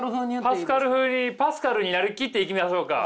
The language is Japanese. パスカル風にパスカルになり切っていきましょうか。